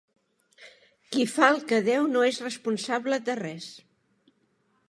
Qui fa el que deu no és responsable de res.